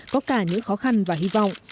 có cả những khó khăn và hy vọng